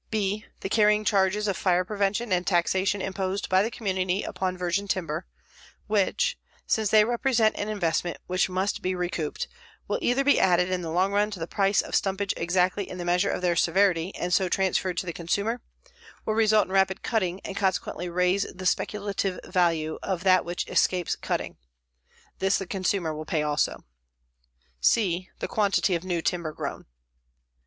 b. The carrying charges of fire prevention and taxation imposed by the community upon virgin timber, which, since they represent an investment which must be recouped, will either be added in the long run to the price of stumpage exactly in the measure of their severity and so transferred to the consumer, or result in rapid cutting and consequently raise the speculative value of that which escapes cutting. (This the consumer will pay also.) c. The quantity of new timber grown.